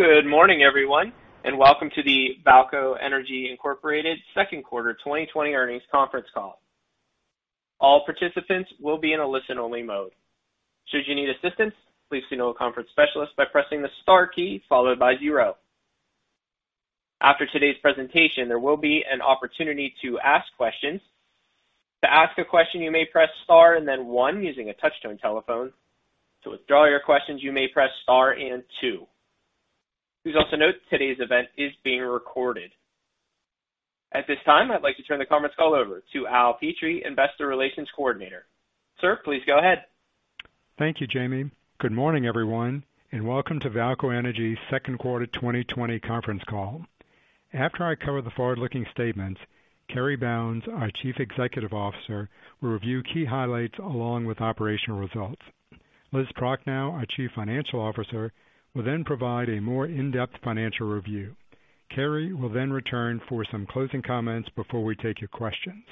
Good morning, everyone, and welcome to the VAALCO Energy Incorporated second quarter 2020 earnings conference call. All participants will be in a listen-only mode. Should you need assistance, please signal a conference specialist by pressing the star key followed by zero. After today's presentation, there will be an opportunity to ask questions. To ask a question, you may press star and then one using a touch-tone telephone. To withdraw your questions, you may press star and two. Please also note today's event is being recorded. At this time, I'd like to turn the conference call over to Al Petrie, Investor Relations Coordinator. Sir, please go ahead. Thank you, Jamie. Good morning, everyone, and welcome to VAALCO Energy second quarter 2020 conference call. After I cover the forward-looking statements, Cary Bounds, our Chief Executive Officer, will review key highlights along with operational results. Liz Prochnow, our Chief Financial Officer, will then provide a more in-depth financial review. Cary will then return for some closing comments before we take your questions.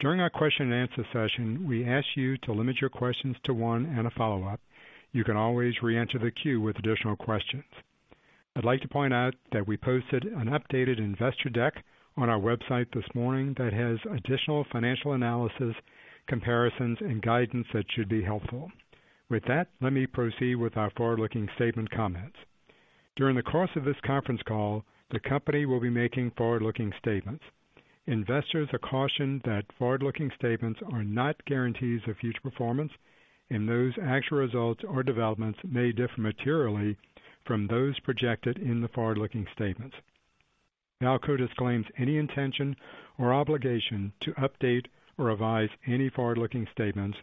During our question and answer session, we ask you to limit your questions to one and a follow-up. You can always reenter the queue with additional questions. I'd like to point out that we posted an updated investor deck on our website this morning that has additional financial analysis, comparisons, and guidance that should be helpful. With that, let me proceed with our forward-looking statement comments. During the course of this conference call, the company will be making forward-looking statements. Investors are cautioned that forward-looking statements are not guarantees of future performance, and those actual results or developments may differ materially from those projected in the forward-looking statements. VAALCO disclaims any intention or obligation to update or revise any forward-looking statements,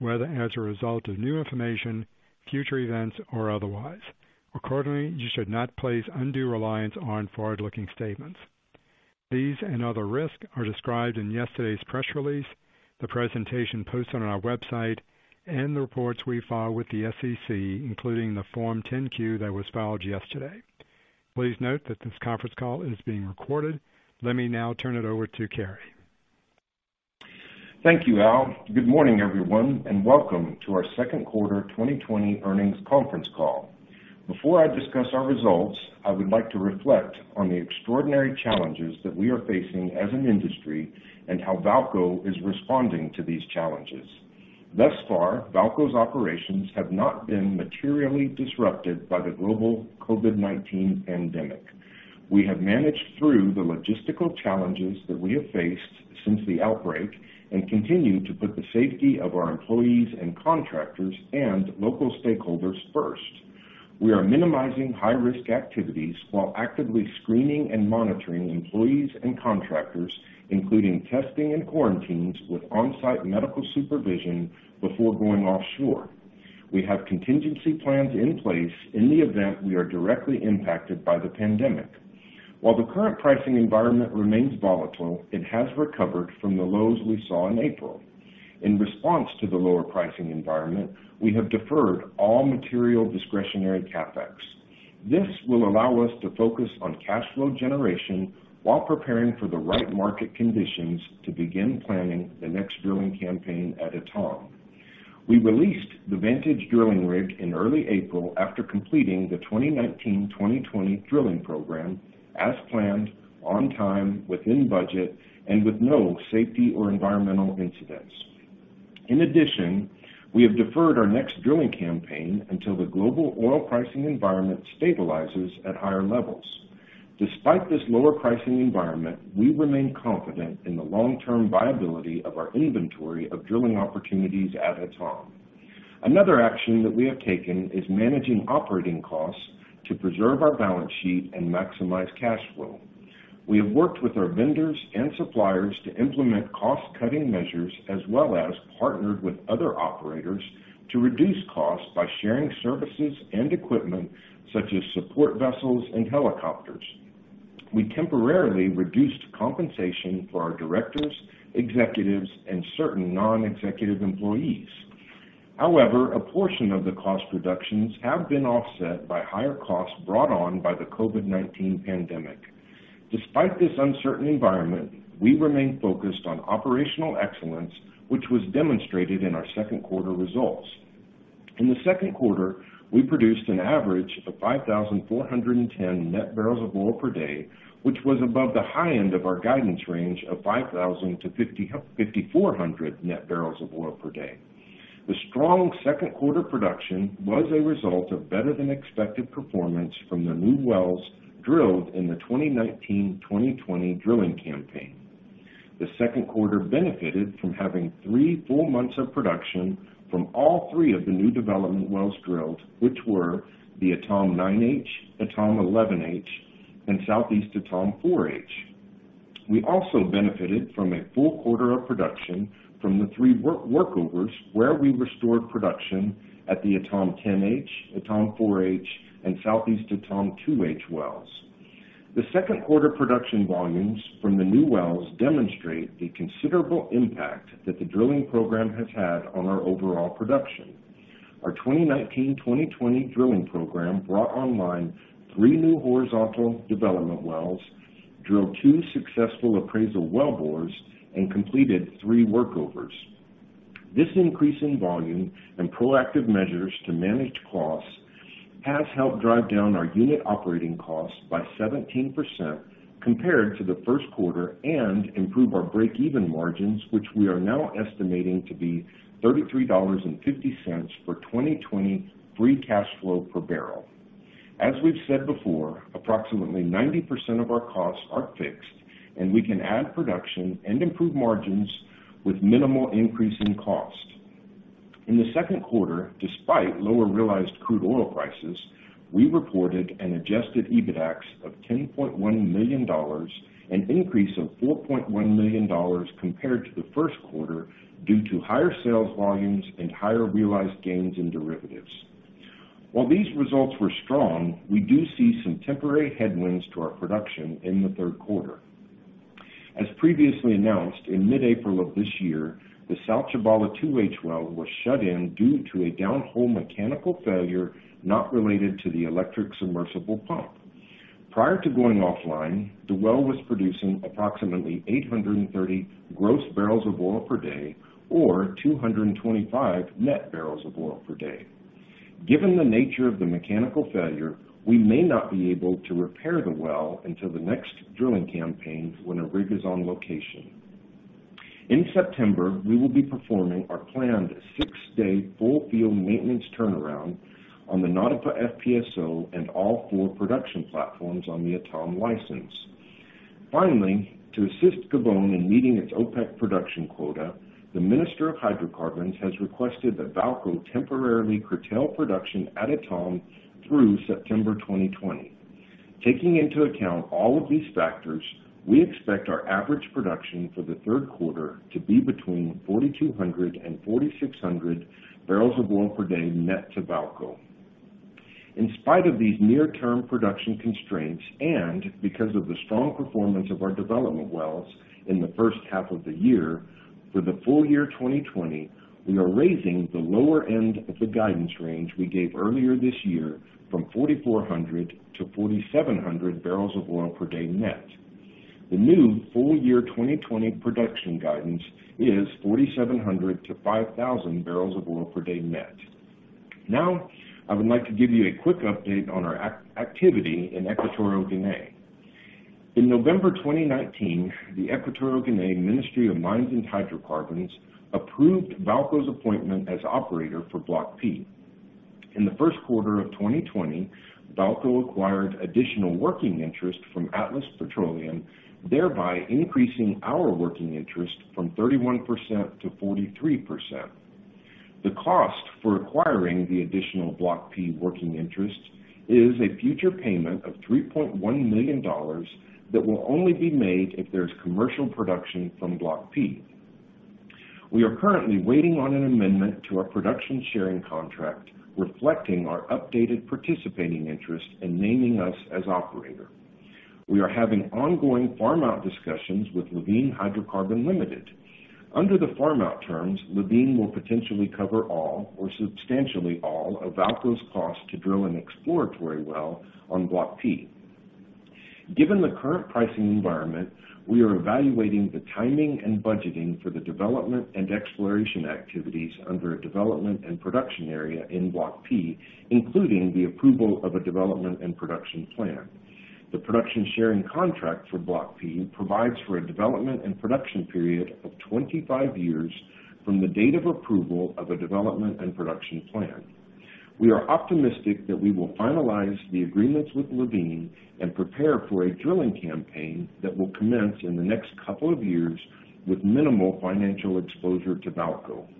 whether as a result of new information, future events, or otherwise. Accordingly, you should not place undue reliance on forward-looking statements. These and other risks are described in yesterday's press release, the presentation posted on our website, and the reports we file with the SEC, including the Form 10-Q that was filed yesterday. Please note that this conference call is being recorded. Let me now turn it over to Cary. Thank you, Al. Good morning, everyone, and welcome to our second quarter 2020 earnings conference call. Before I discuss our results, I would like to reflect on the extraordinary challenges that we are facing as an industry and how VAALCO is responding to these challenges. Thus far, VAALCO's operations have not been materially disrupted by the global COVID-19 pandemic. We have managed through the logistical challenges that we have faced since the outbreak and continue to put the safety of our employees and contractors and local stakeholders first. We are minimizing high-risk activities while actively screening and monitoring employees and contractors, including testing and quarantines with on-site medical supervision before going offshore. We have contingency plans in place in the event we are directly impacted by the pandemic. While the current pricing environment remains volatile, it has recovered from the lows we saw in April. In response to the lower pricing environment, we have deferred all material discretionary CapEx. This will allow us to focus on cash flow generation while preparing for the right market conditions to begin planning the next drilling campaign at Etame. We released the vintage drilling rig in early April after completing the 2019-2020 drilling program as planned, on time, within budget, and with no safety or environmental incidents. In addition, we have deferred our next drilling campaign until the global oil pricing environment stabilizes at higher levels. Despite this lower pricing environment, we remain confident in the long-term viability of our inventory of drilling opportunities at Etame. Another action that we have taken is managing operating costs to preserve our balance sheet and maximize cash flow. We have worked with our vendors and suppliers to implement cost-cutting measures, as well as partnered with other operators to reduce costs by sharing services and equipment such as support vessels and helicopters. We temporarily reduced compensation for our directors, executives, and certain non-executive employees. A portion of the cost reductions have been offset by higher costs brought on by the COVID-19 pandemic. Despite this uncertain environment, we remain focused on operational excellence, which was demonstrated in our second quarter results. In the second quarter, we produced an average of 5,410 net barrels of oil per day, which was above the high end of our guidance range of 5,000-5,400 net barrels of oil per day. The strong second quarter production was a result of better than expected performance from the new wells drilled in the 2019-2020 drilling campaign. The second quarter benefited from having three full months of production from all three of the new development wells drilled, which were the Etame 9H, Etame 11H, and Southeast Etame 4H. We also benefited from a full quarter of production from the three workovers where we restored production at the Etame 10H, Etame 4H, and Southeast Etame 2H wells. The second quarter production volumes from the new wells demonstrate the considerable impact that the drilling program has had on our overall production. Our 2019-2020 drilling program brought online three new horizontal development wells, drilled two successful appraisal wellbores, and completed three workovers. This increase in volume and proactive measures to manage costs has helped drive down our unit operating costs by 17% compared to the first quarter and improve our breakeven margins, which we are now estimating to be $33.50 for 2020 free cash flow per barrel. As we've said before, approximately 90% of our costs are fixed, and we can add production and improve margins with minimal increase in cost. In the second quarter, despite lower realized crude oil prices, we reported an adjusted EBITDAX of $10.1 million, an increase of $4.1 million compared to the first quarter, due to higher sales volumes and higher realized gains in derivatives. While these results were strong, we do see some temporary headwinds to our production in the third quarter. As previously announced, in mid-April of this year, the South Tchibala 2H well was shut in due to a down-hole mechanical failure not related to the electric submersible pump. Prior to going offline, the well was producing approximately 830 gross barrels of oil per day or 225 net barrels of oil per day. Given the nature of the mechanical failure, we may not be able to repair the well until the next drilling campaign when a rig is on location. In September, we will be performing our planned six-day full field maintenance turnaround on the Nautipa FPSO and all four production platforms on the Etame license. Finally, to assist Gabon in meeting its OPEC production quota, the Minister of Hydrocarbons has requested that VAALCO temporarily curtail production at Etame through September 2020. Taking into account all of these factors, we expect our average production for the third quarter to be between 4,200 and 4,600 barrels of oil per day net to VAALCO. In spite of these near-term production constraints and because of the strong performance of our development wells in the first half of the year, for the full year 2020, we are raising the lower end of the guidance range we gave earlier this year from 4,400-4,700 barrels of oil per day net. The new full year 2020 production guidance is 4,700-5,000 barrels of oil per day net. Now, I would like to give you a quick update on our activity in Equatorial Guinea. In November 2019, the Equatorial Guinea Ministry of Mines and Hydrocarbons approved VAALCO's appointment as operator for Block P. In the first quarter of 2020, VAALCO acquired additional working interest from Atlas Petroleum, thereby increasing our working interest from 31%-43%. The cost for acquiring the additional Block P working interest is a future payment of $3.1 million that will only be made if there's commercial production from Block P. We are currently waiting on an amendment to our production sharing contract reflecting our updated participating interest and naming us as operator. We are having ongoing farm-out discussions with Levene Hydrocarbon Limited. Under the farm-out terms, Levene will potentially cover all or substantially all of VAALCO's cost to drill an exploratory well on Block P. Given the current pricing environment, we are evaluating the timing and budgeting for the development and exploration activities under a development and production area in Block P, including the approval of a development and production plan. The production sharing contract for Block P provides for a development and production period of 25 years from the date of approval of a development and production plan. We are optimistic that we will finalize the agreements with Levene and prepare for a drilling campaign that will commence in the next couple of years with minimal financial exposure to VAALCO Energy.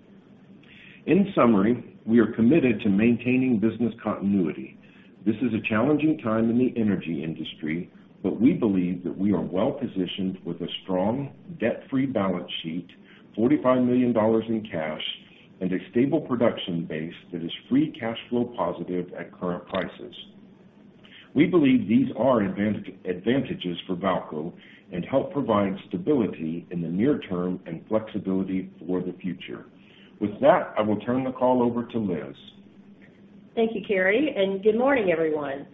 In summary, we are committed to maintaining business continuity. This is a challenging time in the energy industry, but we believe that we are well positioned with a strong debt-free balance sheet, $45 million in cash, and a stable production base that is free cash flow positive at current prices. We believe these are advantages for VAALCO Energy and help provide stability in the near term and flexibility for the future. With that, I will turn the call over to Liz. Thank you, Cary, and good morning, everyone.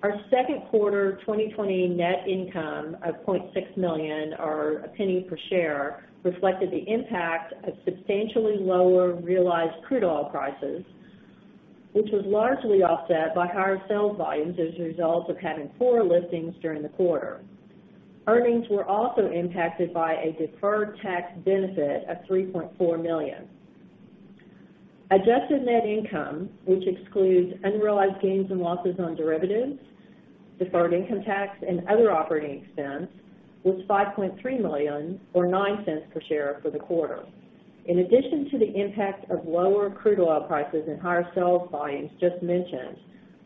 Our second quarter 2020 net income of $0.6 million or $0.01 per share reflected the impact of substantially lower realized crude oil prices, which was largely offset by higher sales volumes as a result of having four liftings during the quarter. Earnings were also impacted by a deferred tax benefit of $3.4 million. Adjusted net income, which excludes unrealized gains and losses on derivatives, deferred income tax, and other operating expense, was $5.3 million or $0.09 per share for the quarter. In addition to the impact of lower crude oil prices and higher sales volumes just mentioned,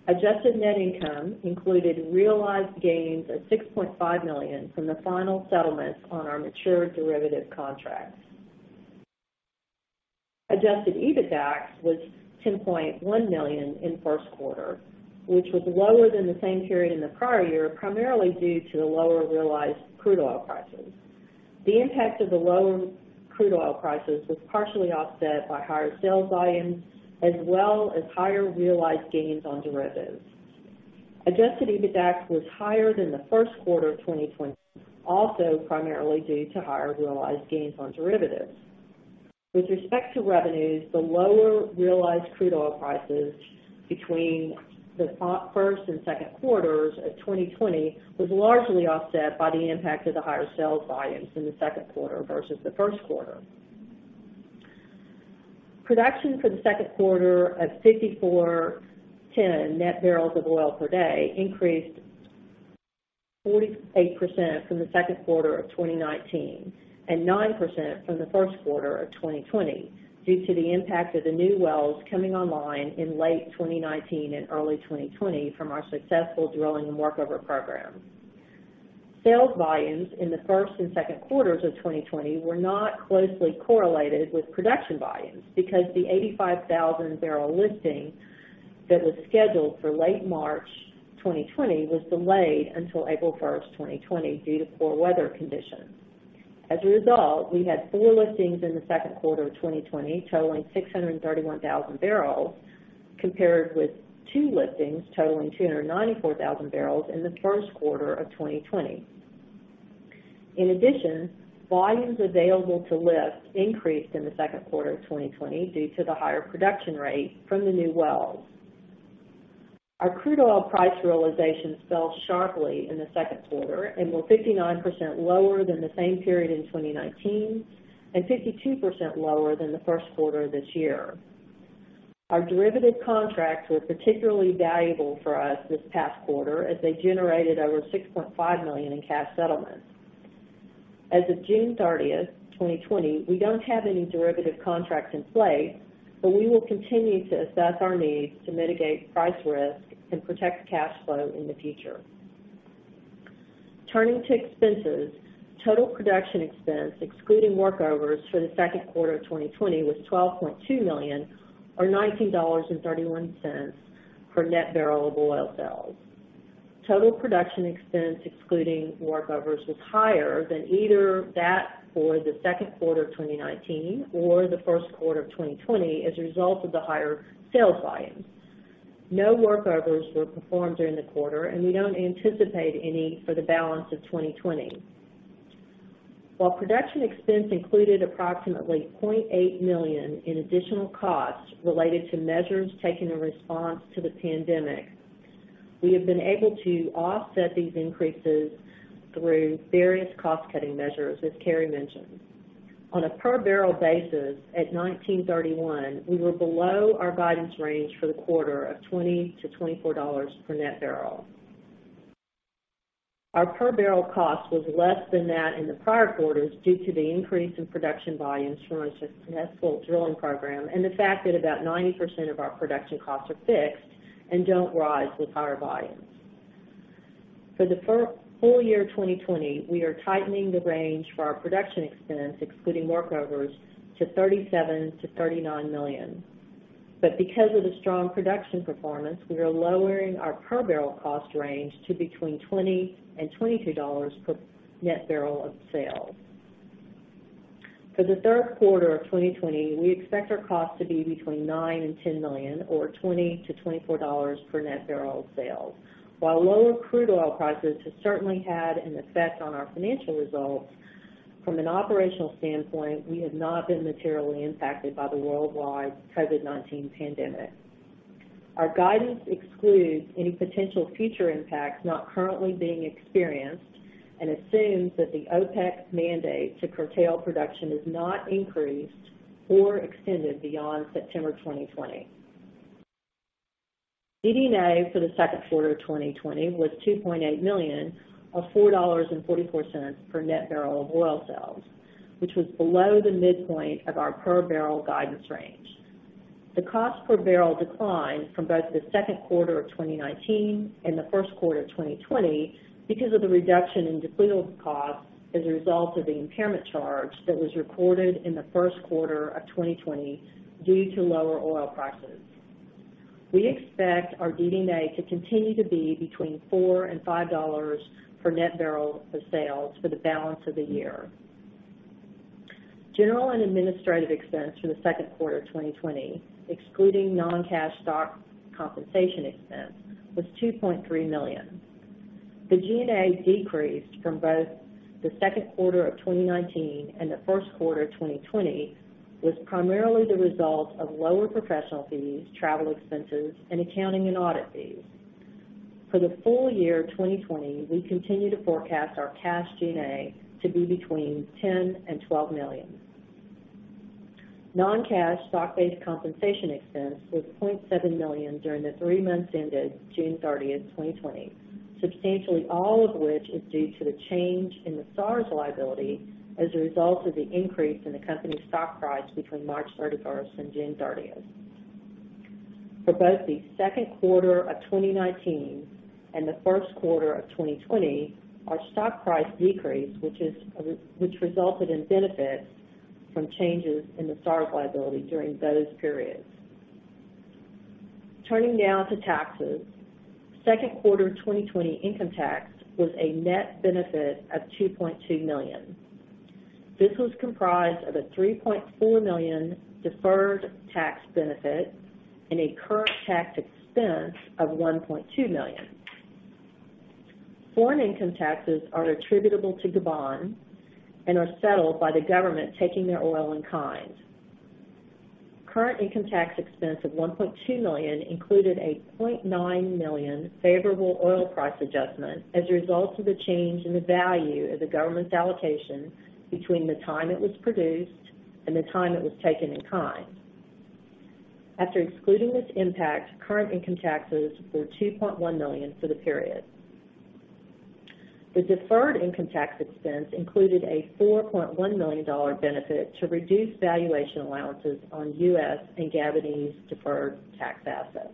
adjusted net income included realized gains of $6.5 million from the final settlements on our mature derivative contracts. Adjusted EBITDAX was $10.1 million in the first quarter, which was lower than the same period in the prior year, primarily due to the lower realized crude oil prices. The impact of the lower crude oil prices was partially offset by higher sales volumes, as well as higher realized gains on derivatives. Adjusted EBITDA was higher than the first quarter of 2020, also primarily due to higher realized gains on derivatives. With respect to revenues, the lower realized crude oil prices between the first and second quarters of 2020 was largely offset by the impact of the higher sales volumes in the second quarter versus the first quarter. Production for the second quarter of 5,410 net barrels of oil per day increased 48% from the second quarter of 2019, and 9% from the first quarter of 2020 due to the impact of the new wells coming online in late 2019 and early 2020 from our successful drilling and workover program. Sales volumes in the first and second quarters of 2020 were not closely correlated with production volumes because the 85,000-barrel lifting that was scheduled for late March 2020 was delayed until April 1st, 2020 due to poor weather conditions. As a result, we had four liftings in the second quarter of 2020 totaling 631,000 barrels compared with two liftings totaling 294,000 barrels in the first quarter of 2020. In addition, volumes available to lift increased in the second quarter of 2020 due to the higher production rate from the new wells. Our crude oil price realization fell sharply in the second quarter and was 59% lower than the same period in 2019 and 52% lower than the first quarter of this year. Our derivative contracts were particularly valuable for us this past quarter as they generated over $6.5 million in cash settlements. As of June 30th, 2020, we don't have any derivative contracts in place. We will continue to assess our needs to mitigate price risk and protect cash flow in the future. Turning to expenses, total production expense excluding workovers for the second quarter of 2020 was $12.2 million, or $19.31 per net barrel of oil sales. Total production expense excluding workovers was higher than either that for the second quarter of 2019 or the first quarter of 2020 as a result of the higher sales volumes. No workovers were performed during the quarter, and we don't anticipate any for the balance of 2020. While production expense included approximately $0.8 million in additional costs related to measures taken in response to the pandemic, we have been able to offset these increases through various cost-cutting measures, as Cary mentioned. On a per barrel basis at $19.31, we were below our guidance range for the quarter of $20-$24 per net barrel. Our per barrel cost was less than that in the prior quarters due to the increase in production volumes from our successful drilling program and the fact that about 90% of our production costs are fixed and don't rise with higher volumes. For the full year 2020, we are tightening the range for our production expense, excluding workovers, to $37 million-$39 million. Because of the strong production performance, we are lowering our per barrel cost range to between $20 and $22 per net barrel of sales. For the third quarter of 2020, we expect our cost to be between $9 million and $10 million or $20 to $24 per net barrel of sales. While lower crude oil prices have certainly had an effect on our financial results, from an operational standpoint, we have not been materially impacted by the worldwide COVID-19 pandemic. Our guidance excludes any potential future impacts not currently being experienced and assumes that the OPEC mandate to curtail production is not increased or extended beyond September 2020. DD&A for the second quarter of 2020 was $2.8 million, or $4.44 per net barrel of oil sales, which was below the midpoint of our per barrel guidance range. The cost per barrel declined from both the second quarter of 2019 and the first quarter of 2020 because of the reduction in depleted costs as a result of the impairment charge that was recorded in the first quarter of 2020 due to lower oil prices. We expect our DD&A to continue to be between $4 and $5 per net barrel of sales for the balance of the year. General and administrative expense for the second quarter of 2020, excluding non-cash stock compensation expense, was $2.3 million. The G&A decreased from both the second quarter of 2019 and the first quarter of 2020 was primarily the result of lower professional fees, travel expenses, and accounting and audit fees. For the full year 2020, we continue to forecast our cash G&A to be between $10 million and $12 million. Non-cash stock-based compensation expense was $0.7 million during the three months ended June 30, 2020, substantially all of which is due to the change in the SAR liability as a result of the increase in the company's stock price between March 31 and June 30. For both the second quarter of 2019 and the first quarter of 2020, our stock price decreased, which resulted in benefits from changes in the SAR liability during those periods. Turning now to taxes. Second quarter 2020 income tax was a net benefit of $2.2 million. This was comprised of a $3.4 million deferred tax benefit and a current tax expense of $1.2 million. Foreign income taxes are attributable to Gabon and are settled by the government taking their oil in kind. Current income tax expense of $1.2 million included a $0.9 million favorable oil price adjustment as a result of the change in the value of the government's allocation between the time it was produced and the time it was taken in kind. After excluding this impact, current income taxes were $2.1 million for the period. The deferred income tax expense included a $4.1 million benefit to reduce valuation allowances on U.S. and Gabonese deferred tax assets.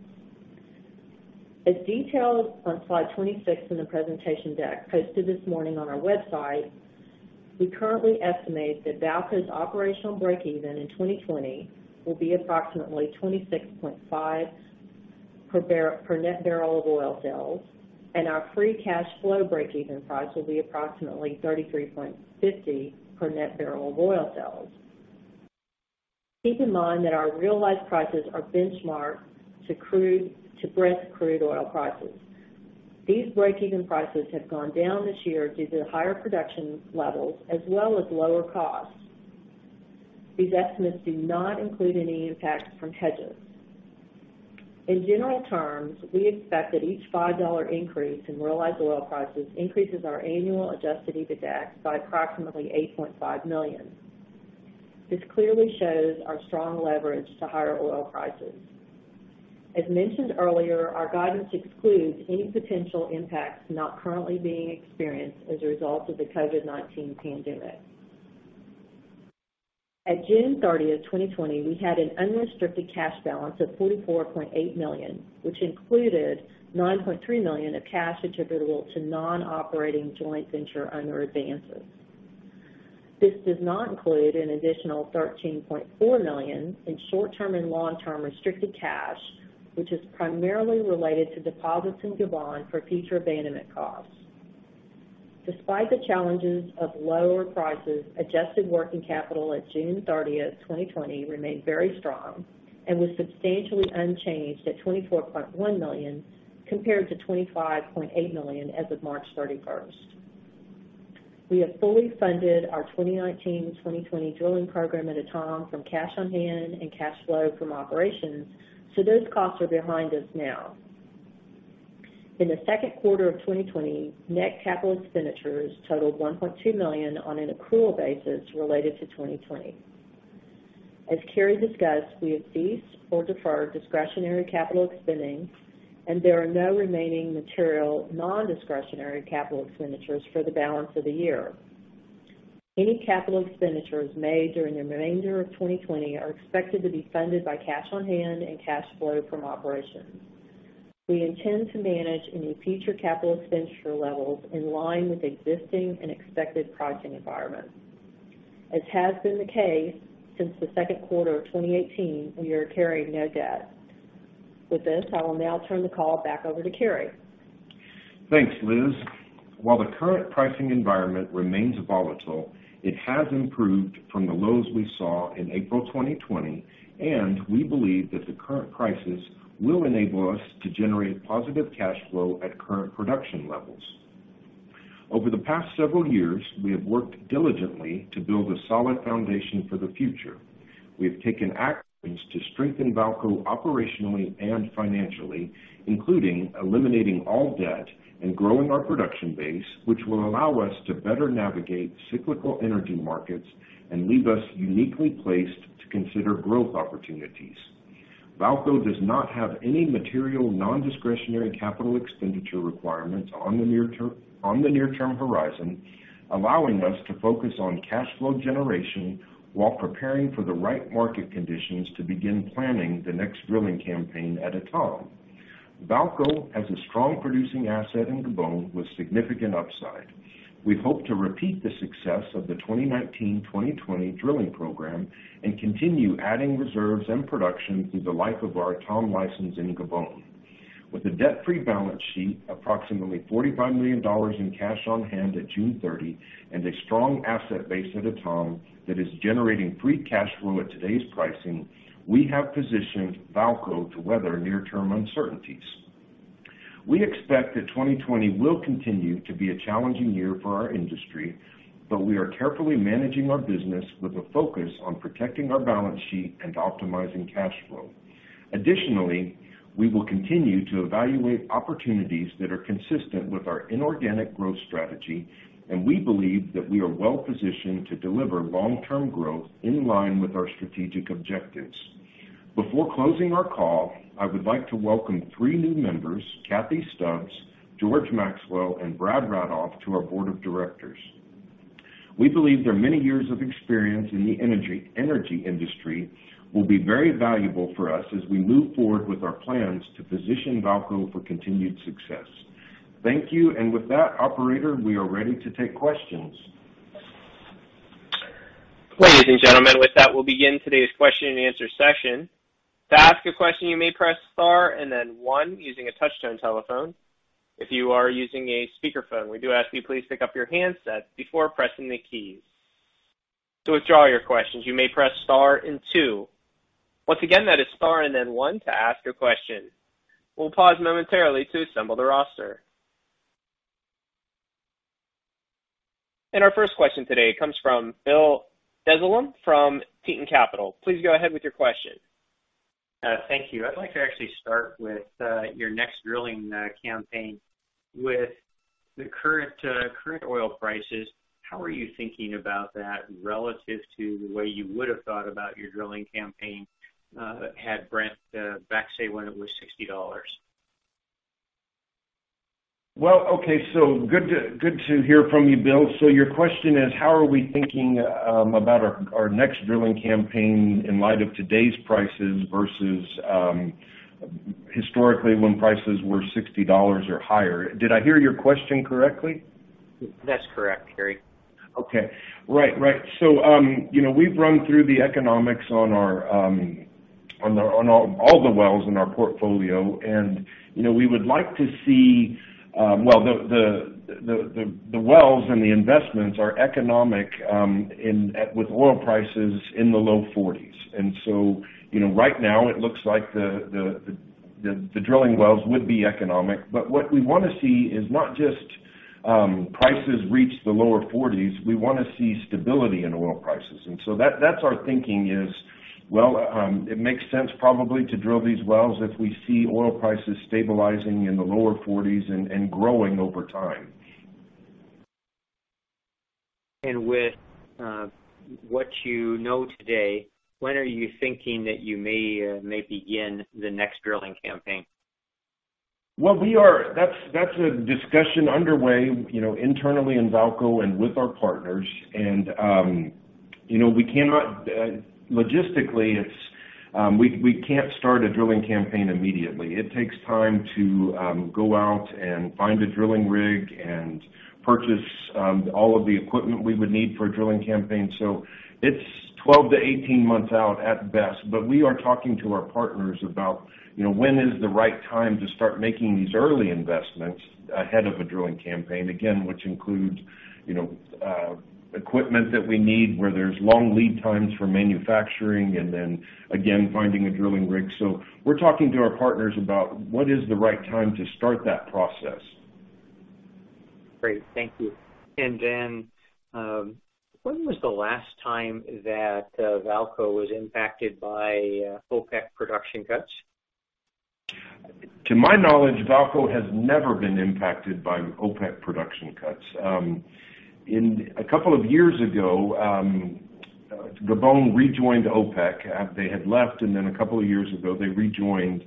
As detailed on slide 26 in the presentation deck posted this morning on our website, we currently estimate that VAALCO's operational breakeven in 2020 will be approximately $26.50 per net barrel of oil sales, and our free cash flow breakeven price will be approximately $33.50 per net barrel of oil sales. Keep in mind that our real-life prices are benchmarked to Brent crude oil prices. These breakeven prices have gone down this year due to higher production levels as well as lower costs. These estimates do not include any impact from hedges. In general terms, we expect that each $5 increase in realized oil prices increases our annual adjusted EBITDA by approximately $8.5 million. This clearly shows our strong leverage to higher oil prices. As mentioned earlier, our guidance excludes any potential impacts not currently being experienced as a result of the COVID-19 pandemic. At June 30th, 2020, we had an unrestricted cash balance of $44.8 million, which included $9.3 million of cash attributable to non-operating joint venture owner advances. This does not include an additional $13.4 million in short-term and long-term restricted cash, which is primarily related to deposits in Gabon for future abandonment costs. Despite the challenges of lower prices, adjusted working capital at June 30th, 2020 remained very strong and was substantially unchanged at $24.1 million, compared to $25.8 million as of March 31st. We have fully funded our 2019-2020 drilling program at Etame from cash on hand and cash flow from operations, so those costs are behind us now. In the second quarter of 2020, net capital expenditures totaled $1.2 million on an accrual basis related to 2020. As Cary discussed, we have ceased or deferred discretionary capital spending and there are no remaining material non-discretionary capital expenditures for the balance of the year. Any capital expenditures made during the remainder of 2020 are expected to be funded by cash on hand and cash flow from operations. We intend to manage any future capital expenditure levels in line with existing and expected pricing environments. As has been the case since the second quarter of 2018, we are carrying no debt. With this, I will now turn the call back over to Cary. Thanks, Liz. While the current pricing environment remains volatile, it has improved from the lows we saw in April 2020, and we believe that the current prices will enable us to generate positive cash flow at current production levels. Over the past several years, we have worked diligently to build a solid foundation for the future. We have taken actions to strengthen VAALCO operationally and financially, including eliminating all debt and growing our production base, which will allow us to better navigate cyclical energy markets and leave us uniquely placed to consider growth opportunities. VAALCO does not have any material non-discretionary capital expenditure requirements on the near-term horizon, allowing us to focus on cash flow generation while preparing for the right market conditions to begin planning the next drilling campaign at Etame. VAALCO has a strong producing asset in Gabon with significant upside. We hope to repeat the success of the 2019-2020 drilling program and continue adding reserves and production through the life of our Etame license in Gabon. With a debt-free balance sheet, approximately $45 million in cash on hand at June 30, and a strong asset base at Etame that is generating free cash flow at today's pricing, we have positioned VAALCO to weather near-term uncertainties. We expect that 2020 will continue to be a challenging year for our industry, but we are carefully managing our business with a focus on protecting our balance sheet and optimizing cash flow. Additionally, we will continue to evaluate opportunities that are consistent with our inorganic growth strategy, and we believe that we are well-positioned to deliver long-term growth in line with our strategic objectives. Before closing our call, I would like to welcome three new members, Cathy Stubbs, George Maxwell, and Brad Radoff, to our board of directors. We believe their many years of experience in the energy industry will be very valuable for us as we move forward with our plans to position VAALCO for continued success. Thank you. With that, operator, we are ready to take questions. Ladies and gentlemen, with that, we'll begin today's question and answer session. To ask a question, you may press star and then one using a touchtone telephone. If you are using a speakerphone, we do ask you please pick up your handset before pressing the keys. To withdraw your questions, you may press star and 2. Once again, that is star and then 1 to ask your question. We'll pause momentarily to assemble the roster. Our first question today comes from Bill Dezellem from Teton Capital. Please go ahead with your question. Thank you. I'd like to actually start with your next drilling campaign. With the current oil prices, how are you thinking about that relative to the way you would have thought about your drilling campaign had Brent back, say, when it was $60? Well, okay. Good to hear from you, Bill. Your question is, how are we thinking about our next drilling campaign in light of today's prices versus historically when prices were $60 or higher? Did I hear your question correctly? That's correct, Cary. Okay. Right. We've run through the economics on all the wells in our portfolio, and we would like to see well, the wells and the investments are economic with oil prices in the low 40s. Right now it looks like the drilling wells would be economic. What we want to see is not just prices reach the lower 40s, we want to see stability in oil prices. That's our thinking is, well, it makes sense probably to drill these wells if we see oil prices stabilizing in the lower 40s and growing over time. With what you know today, when are you thinking that you may begin the next drilling campaign? Well, that's a discussion underway internally in VAALCO and with our partners, and logistically we can't start a drilling campaign immediately. It takes time to go out and find a drilling rig and purchase all of the equipment we would need for a drilling campaign. It's 12 to 18 months out at best. We are talking to our partners about when is the right time to start making these early investments ahead of a drilling campaign, again, which includes equipment that we need where there's long lead times for manufacturing, and then, again, finding a drilling rig. We're talking to our partners about what is the right time to start that process. Great. Thank you. When was the last time that VAALCO was impacted by OPEC production cuts? To my knowledge, VAALCO has never been impacted by OPEC production cuts. A couple of years ago, Gabon rejoined OPEC. They had left, and then a couple of years ago, they rejoined,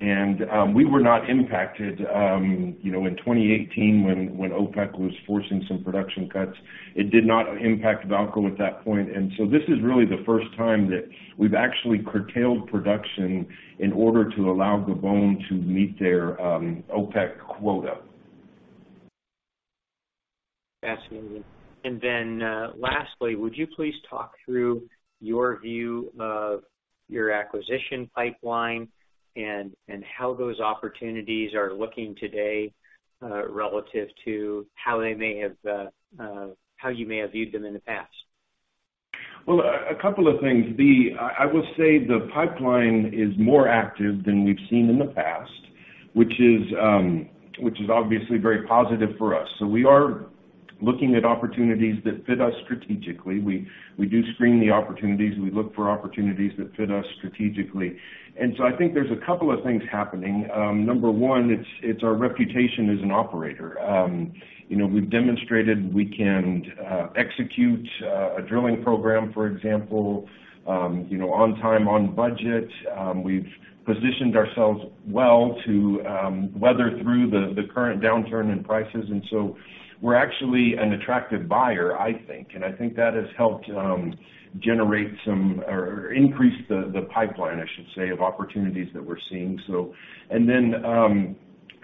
and we were not impacted. In 2018 when OPEC was forcing some production cuts, it did not impact VAALCO at that point. This is really the first time that we've actually curtailed production in order to allow Gabon to meet their OPEC quota. Fascinating. Lastly, would you please talk through your view of your acquisition pipeline and how those opportunities are looking today, relative to how you may have viewed them in the past? Well, a couple of things. I will say the pipeline is more active than we've seen in the past, which is obviously very positive for us. We are looking at opportunities that fit us strategically. We do screen the opportunities. We look for opportunities that fit us strategically. I think there's a couple of things happening. Number one, it's our reputation as an operator. We've demonstrated we can execute a drilling program, for example on time, on budget. We've positioned ourselves well to weather through the current downturn in prices. We're actually an attractive buyer, I think. I think that has helped generate some, or increase the pipeline, I should say, of opportunities that we're seeing.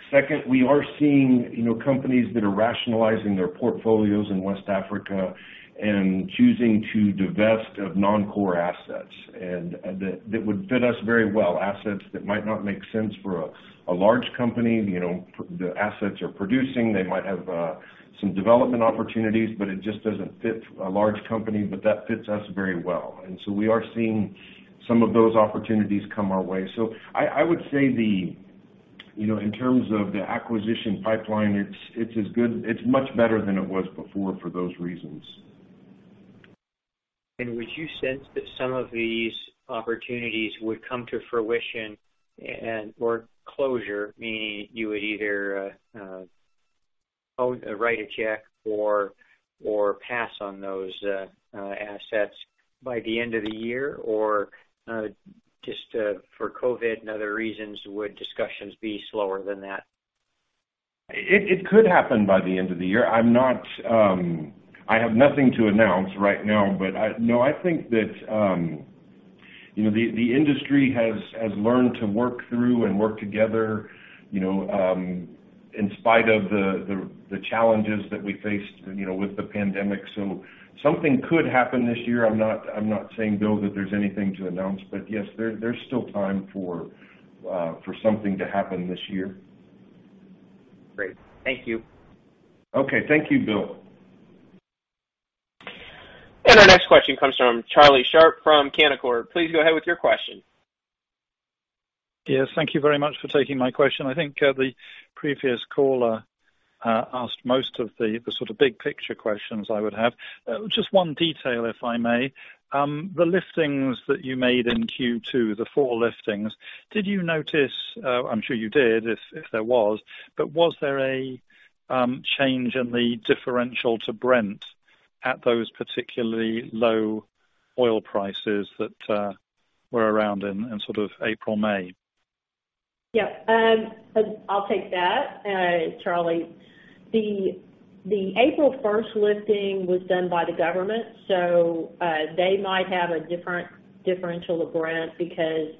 Second, we are seeing companies that are rationalizing their portfolios in West Africa and choosing to divest of non-core assets. That would fit us very well, assets that might not make sense for a large company. The assets are producing. They might have some development opportunities, but it just doesn't fit a large company. That fits us very well. We are seeing some of those opportunities come our way. I would say in terms of the acquisition pipeline, it's much better than it was before for those reasons. Would you sense that some of these opportunities would come to fruition and/or closure, meaning you would either write a check or pass on those assets by the end of the year? Just for COVID and other reasons, would discussions be slower than that? It could happen by the end of the year. I have nothing to announce right now. No, I think that the industry has learned to work through and work together in spite of the challenges that we faced with the pandemic. Something could happen this year. I'm not saying, Bill, that there's anything to announce. Yes, there's still time for something to happen this year. Great. Thank you. Okay. Thank you, Bill. Our next question comes from Charlie Sharp from Canaccord. Please go ahead with your question. Yes, thank you very much for taking my question. I think the previous caller asked most of the sort of big picture questions I would have. Just one detail, if I may. The liftings that you made in Q2, the four liftings, did you notice, I'm sure you did if there was, but was there a change in the differential to Brent at those particularly low oil prices that were around in sort of April, May? Yeah. I'll take that, Charlie. The April 1st lifting was done by the government, so they might have a different differential to Brent because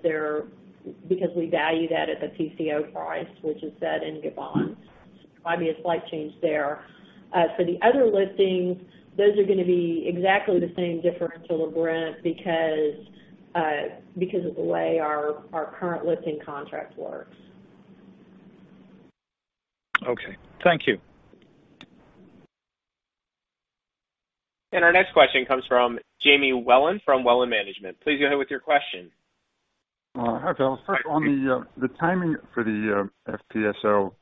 we value that at the PCO price, which is set in Gabon. Might be a slight change there. For the other liftings, those are going to be exactly the same differential to Brent because of the way our current lifting contract works. Okay. Thank you. Our next question comes from Jamie Wilen from Wilen Management. Please go ahead with your question. Hi, fellas. First on the timing for the FPSO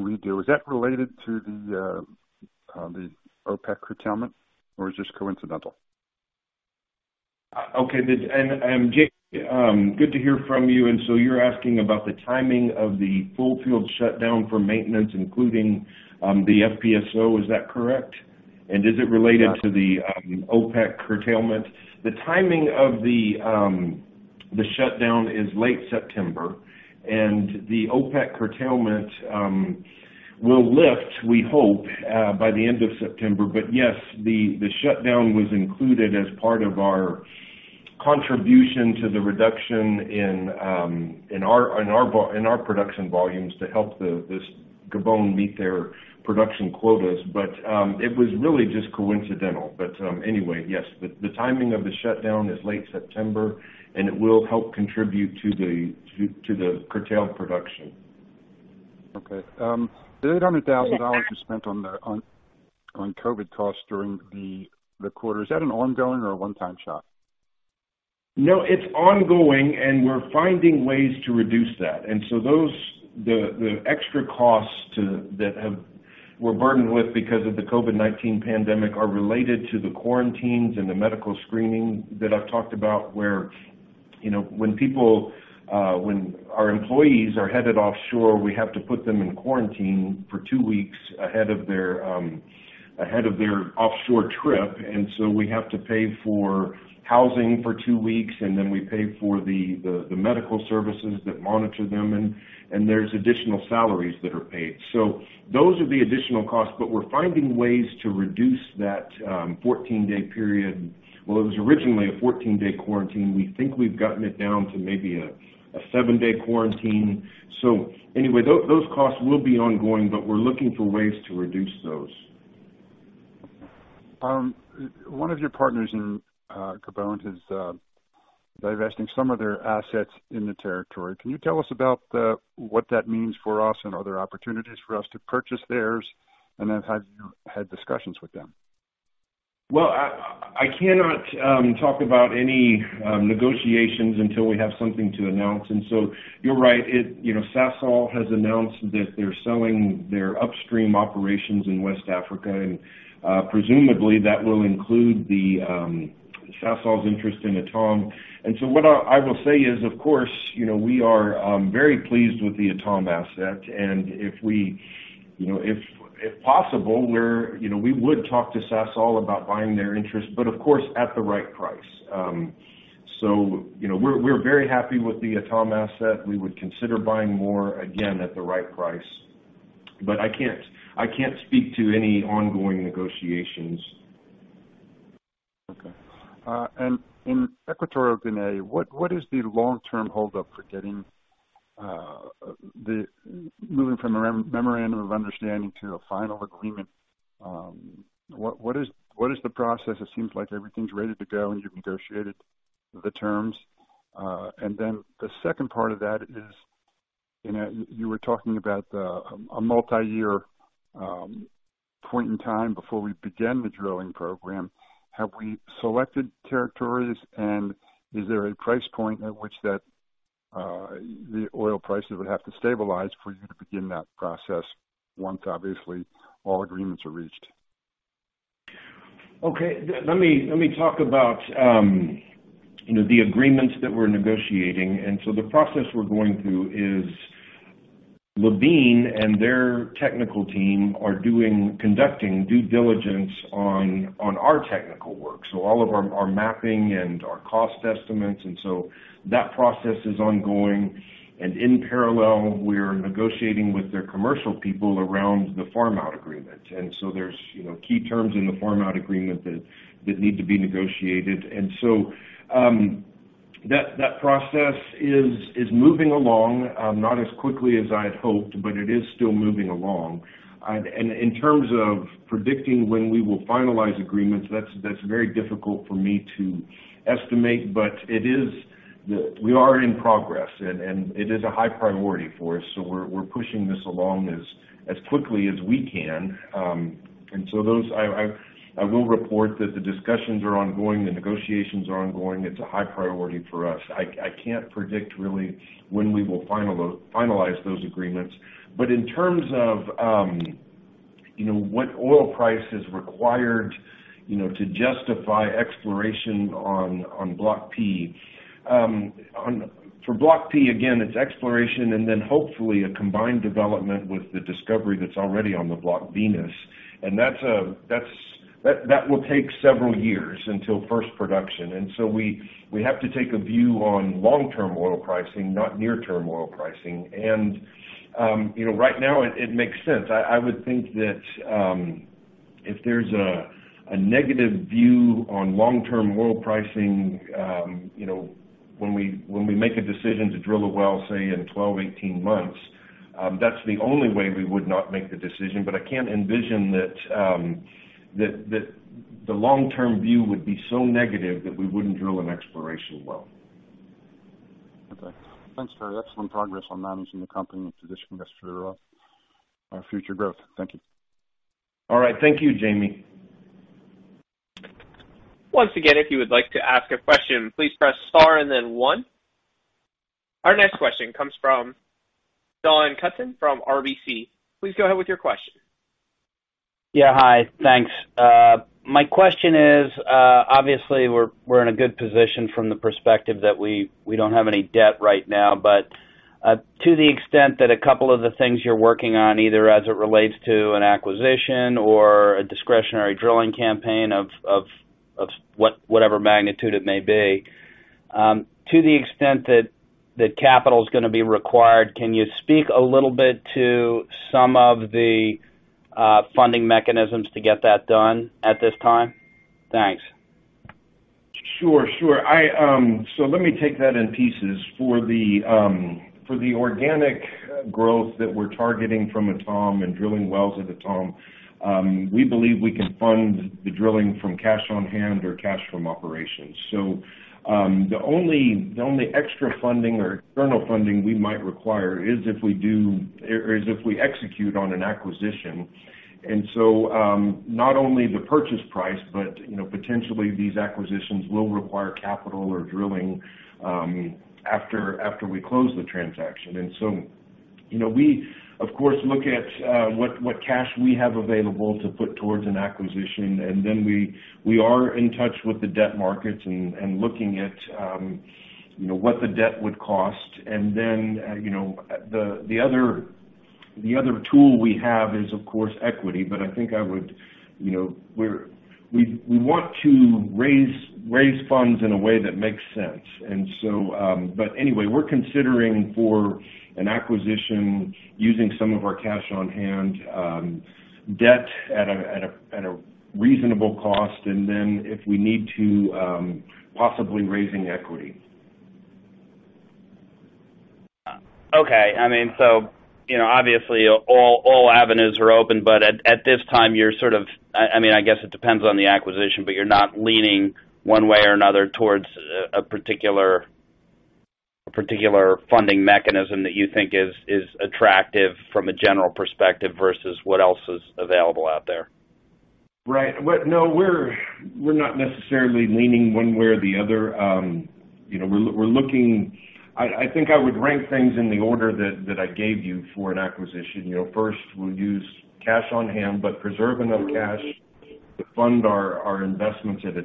redo. Is that related to the OPEC curtailment or is this coincidental? Okay. Jamie, good to hear from you. You're asking about the timing of the full field shutdown for maintenance, including the FPSO, is that correct? Is it related- Yeah to the OPEC curtailment? The timing of the shutdown is late September, and the OPEC curtailment will lift, we hope, by the end of September. Yes, the shutdown was included as part of our contribution to the reduction in our production volumes to help Gabon meet their production quotas. It was really just coincidental. Anyway, yes, the timing of the shutdown is late September, and it will help contribute to the curtailed production. Okay. The $800,000 you spent on COVID costs during the quarter, is that an ongoing or a one-time shot? No, it's ongoing, and we're finding ways to reduce that. Those, the extra costs that we're burdened with because of the COVID-19 pandemic are related to the quarantines and the medical screening that I've talked about, where when our employees are headed offshore, we have to put them in quarantine for two weeks ahead of their offshore trip. We have to pay for housing for two weeks, and then we pay for the medical services that monitor them, and there's additional salaries that are paid. Those are the additional costs, but we're finding ways to reduce that 14-day period. Well, it was originally a 14-day quarantine. We think we've gotten it down to maybe a seven-day quarantine. Anyway, those costs will be ongoing, but we're looking for ways to reduce those. One of your partners in Gabon is divesting some of their assets in the territory. Can you tell us about what that means for us, and are there opportunities for us to purchase theirs, and then have you had discussions with them? Well, I cannot talk about any negotiations until we have something to announce. You're right. Sasol has announced that they're selling their upstream operations in West Africa, and presumably, that will include Sasol's interest in Etame. What I will say is, of course, we are very pleased with the Etame asset, and if possible, we would talk to Sasol about buying their interest, but of course, at the right price. We're very happy with the Etame asset. We would consider buying more, again, at the right price, but I can't speak to any ongoing negotiations. Okay. In Equatorial Guinea, what is the long-term hold-up for moving from a memorandum of understanding to a final agreement, what is the process? It seems like everything's ready to go, and you've negotiated the terms. The second part of that is, you were talking about a multi-year point in time before we begin the drilling program. Have we selected territories, and is there a price point at which the oil prices would have to stabilize for you to begin that process once obviously all agreements are reached? Okay. Let me talk about the agreements that we're negotiating. The process we're going through is Levene and their technical team are conducting due diligence on our technical work, so all of our mapping and our cost estimates, that process is ongoing. In parallel, we're negotiating with their commercial people around the farm-out agreement. There's key terms in the farm-out agreement that need to be negotiated. That process is moving along. Not as quickly as I'd hoped, but it is still moving along. In terms of predicting when we will finalize agreements, that's very difficult for me to estimate. We are in progress, and it is a high priority for us, so we're pushing this along as quickly as we can. Those, I will report that the discussions are ongoing, the negotiations are ongoing. It's a high priority for us. I can't predict really when we will finalize those agreements, but in terms of what oil price is required to justify exploration on Block P. For Block P, again, it's exploration and then hopefully a combined development with the discovery that's already on the Block Venus. That will take several years until first production. We have to take a view on long-term oil pricing, not near-term oil pricing. Right now it makes sense. I would think that if there's a negative view on long-term oil pricing, when we make a decision to drill a well, say, in 12, 18 months, that's the only way we would not make the decision. I can't envision that the long-term view would be so negative that we wouldn't drill an exploration well. Okay. Thanks for the excellent progress on managing the company to position us for our future growth. Thank you. All right. Thank you, Jamie. Once again, if you would like to ask a question, please press star and then one. Our next question comes from Al Stanton from RBC. Please go ahead with your question. Yeah. Hi. Thanks. My question is, obviously we're in a good position from the perspective that we don't have any debt right now. To the extent that a couple of the things you're working on, either as it relates to an acquisition or a discretionary drilling campaign of whatever magnitude it may be, to the extent that capital's going to be required, can you speak a little bit to some of the funding mechanisms to get that done at this time? Thanks. Sure. Let me take that in pieces. For the organic growth that we're targeting from Etame and drilling wells at Etame, we believe we can fund the drilling from cash on hand or cash from operations. The only extra funding or external funding we might require is if we execute on an acquisition. Not only the purchase price, but potentially these acquisitions will require capital or drilling, after we close the transaction. We of course look at what cash we have available to put towards an acquisition. We are in touch with the debt markets and looking at what the debt would cost. The other tool we have is, of course, equity. I think we want to raise funds in a way that makes sense. Anyway, we're considering for an acquisition using some of our cash on hand, debt at a reasonable cost, and then if we need to, possibly raising equity. Okay. Obviously all avenues are open, but at this time you're sort of I guess it depends on the acquisition, but you're not leaning one way or another towards a particular funding mechanism that you think is attractive from a general perspective versus what else is available out there. Right. No, we're not necessarily leaning one way or the other. I think I would rank things in the order that I gave you for an acquisition. First, we'll use cash on hand, but preserve enough cash to fund our investments at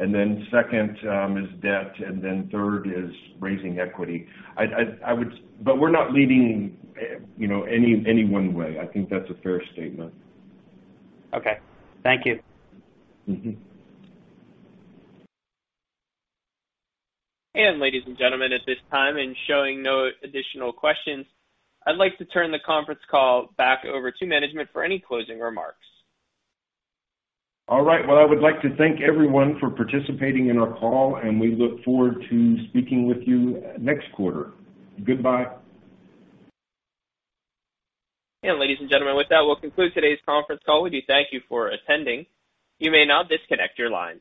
Etame. Second is debt, and then third is raising equity. We're not leaning any one way. I think that's a fair statement. Okay. Thank you. Ladies and gentlemen, at this time, and showing no additional questions, I'd like to turn the conference call back over to management for any closing remarks. All right. Well, I would like to thank everyone for participating in our call, and we look forward to speaking with you next quarter. Goodbye. Ladies and gentlemen, with that, we'll conclude today's conference call. We do thank you for attending. You may now disconnect your lines.